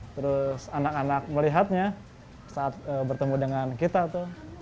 terus anak anak melihatnya saat bertemu dengan kita tuh